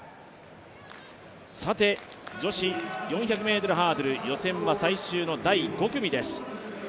さて、女子４００ｍハードル予選は最終の第５組です。